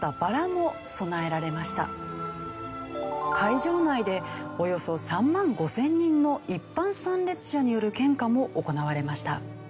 会場内でおよそ３万５０００人の一般参列者による献花も行われました。